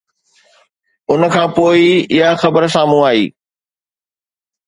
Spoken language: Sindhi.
ان کانپوءِ ئي اها خبر سامهون آئي